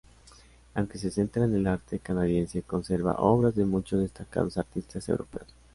Aunque se centra en el arte canadiense, conserva obras de muchos destacados artistas europeos.